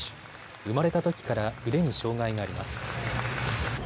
生まれたときから腕に障害があります。